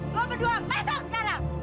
lo berdua masuk sekarang